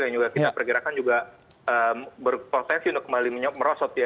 yang juga kita perkirakan juga berprosesi untuk kembali merosot ya